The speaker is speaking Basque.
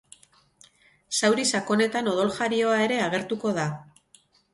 Zauri sakonetan odoljarioa ere agertuko da.